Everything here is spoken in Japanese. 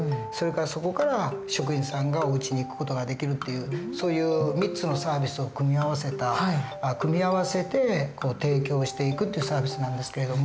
そこから職員さんがおうちに行く事ができるっていうそういう３つのサービスを組み合わせて提供していくっていうサービスなんですけれども。